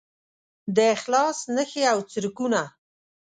د اخلاص نښې او څرکونه